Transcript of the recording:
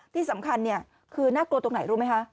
ที่สำคัญคือน่ากลัวตรงไหนรู้ไหมคะ